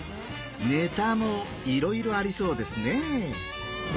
ネタもいろいろありそうですねぇ。